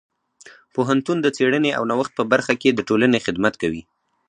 پوهنتون د څیړنې او نوښت په برخه کې د ټولنې خدمت کوي.